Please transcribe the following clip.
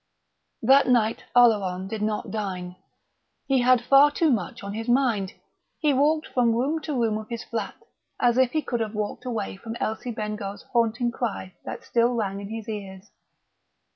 That night Oleron did not dine. He had far too much on his mind. He walked from room to room of his flat, as if he could have walked away from Elsie Bengough's haunting cry that still rang in his ears.